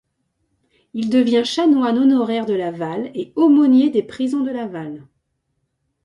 Il devient chanoine honoraire de Laval et aumônier des prisons de Laval.